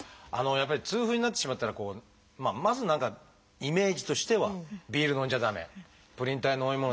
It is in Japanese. やっぱり痛風になってしまったらこうまず何かイメージとしてはビール飲んじゃ駄目プリン体の飲み物